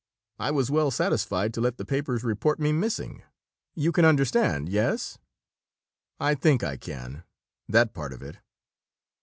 I was well satisfied to let the papers report me missing. You can understand, yes?" "I think I can, that part of it."